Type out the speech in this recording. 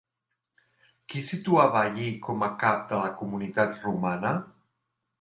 Qui situava a Lli com a cap de la comunitat romana?